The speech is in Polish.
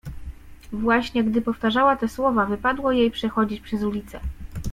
Właśnie gdy powtarzała te słowa, wypadło jej przechodzić przez ulicę.